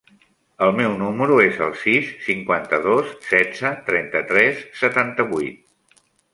El meu número es el sis, cinquanta-dos, setze, trenta-tres, setanta-vuit.